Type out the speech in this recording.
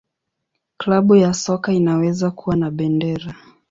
Klabu ya soka inaweza kuwa na bendera.